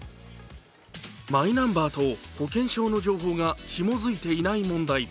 マイナンバーと保険証の情報がひも付いていない問題。